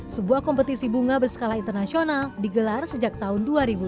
sebuah kompetisi bunga berskala internasional digelar sejak tahun dua ribu tujuh belas